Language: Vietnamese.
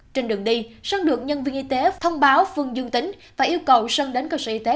trên đường đi sơn được nhân viên y tế thông báo phương dương tính và yêu cầu sơn đến cơ sở y tế